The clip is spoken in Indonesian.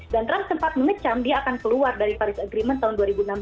dan trump sempat memecam dia akan keluar dari paris agreement tahun dua ribu enam belas